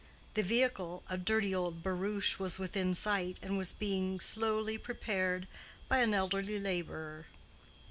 The vehicle—a dirty old barouche—was within sight, and was being slowly prepared by an elderly laborer.